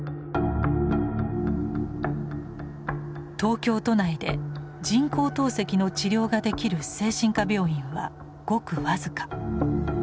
東京都内で人工透析の治療ができる精神科病院はごく僅か。